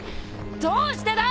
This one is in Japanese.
どうしてだ！？